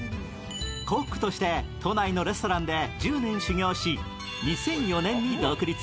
コックとして都内のレストランで１０年修業し、２００４年に独立。